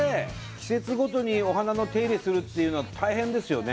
季節ごとにお花の手入れするっていうのは大変ですよね。